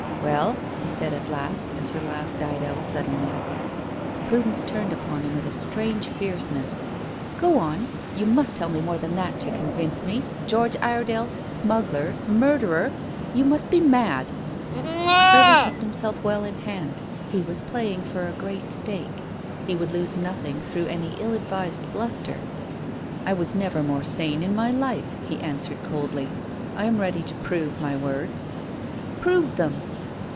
"Well?" he said at last, as her laugh died out suddenly. Prudence turned upon him with a strange fierceness. "Go on. You must tell me more than that to convince me. George Iredale smuggler, murderer! You must be mad!" Hervey kept himself well in hand. He was playing for a great stake. He would lose nothing through any ill advised bluster. "I was never more sane in my life," he answered coldly. "I am ready to prove my words." "Prove them."